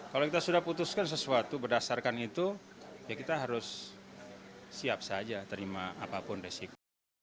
kalau kita sudah putuskan sesuatu berdasarkan itu ya kita harus siap saja terima apapun resiko